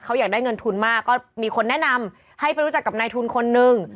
เขาอยากได้เงินทุนมากก็มีคนแนะนำให้ไปรู้จักกับนายทุนคนนึง